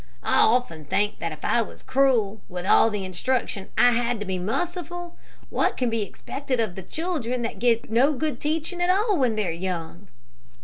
I often think that if I was cruel, with all the instruction I had to be merciful, what can be expected of the children that get no good teaching at all when they're young."